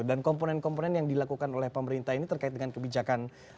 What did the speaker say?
dan komponen komponen yang dilakukan oleh pemerintah ini terkait dengan kebijakan penduduk